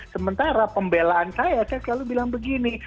sementara pembelaan saya saya selalu bilang begini